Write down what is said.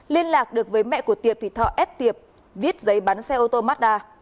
liên lạc được với mẹ của tiệp thì thọ ép tiệp viết giấy bán xe ô tô mazda